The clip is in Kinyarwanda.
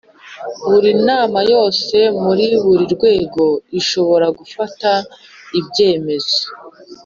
Buri nama yose muri buri rwego ishobora gufata ibyemezo